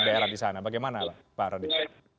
daerah di sana bagaimana pak rodi